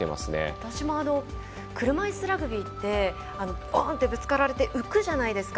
私も車いすラグビーってボンッてぶつかられて浮くじゃないですか。